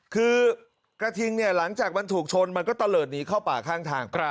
คือกระทิงเนี่ยหลังจากมันถูกชนมันก็ตะเลิศหนีเข้าป่าข้างทาง